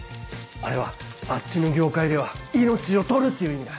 あれはあっちの業界では「命を取る」っていう意味だ。